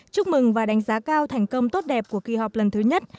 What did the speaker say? chúc mừng và đánh giá cao thành công tốt đẹp của kỳ họp lần thứ nhất